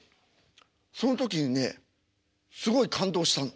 その時にねすごい感動したの。